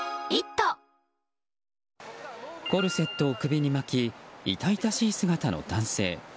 コルセットを首に巻き痛々しい姿の男性。